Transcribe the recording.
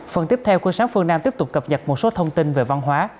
phần tiếp theo quân sám phương nam tiếp tục cập nhật một số thông tin về văn hóa